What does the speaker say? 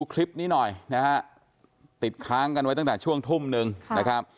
คลิปนี้หน่อยนะฮะติดค้างกันไว้ตั้งแต่ช่วงทุ่มหนึ่งนะครับ